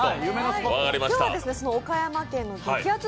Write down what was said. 今日はその岡山県の激アツ